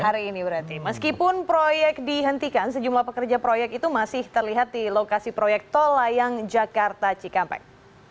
hari ini berarti meskipun proyek dihentikan sejumlah pekerja proyek itu masih terlihat di lokasi proyek tol layang jakarta cikampek